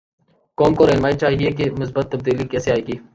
قوم کوراہنمائی چاہیے کہ مثبت تبدیلی کیسے آئے گی؟